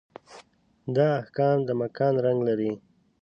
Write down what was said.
دا احکام د مکان رنګ لري.